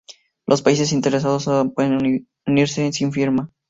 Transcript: Los países interesados ahora pueden unirse sin firma.